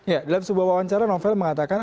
ya dalam sebuah wawancara novel mengatakan